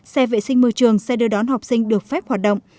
xe vệ sinh môi trường xe đưa đón học sinh được phép hoạt động